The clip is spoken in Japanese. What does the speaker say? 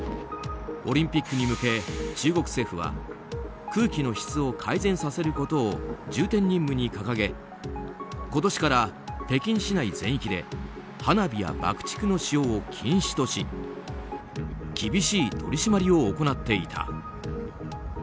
オリンピックに向け、中国政府は空気の質を改善させることを重点任務に掲げ、今年から北京市内全域で花火や爆竹の使用を禁止とし厳しい取り締まりを行っていた。